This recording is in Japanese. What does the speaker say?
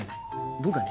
僕はね